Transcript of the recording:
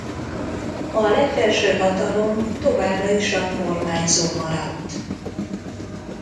A legfelső hatalom továbbra is a kormányzó maradt.